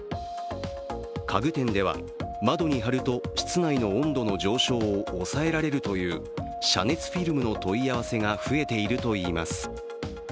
家具店では、窓に貼ると室内の温度の上昇を抑えられるという遮熱フィルムの問い合わせが増えているといいます。